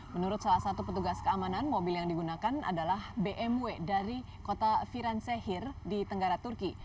menurut salah satu petugas keamanan mobil yang digunakan adalah bmw dari kota firansehir di tenggara turki